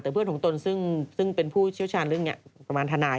แต่เพื่อนของตนซึ่งเป็นผู้เชี่ยวชาญเรื่องนี้ประมาณทนาย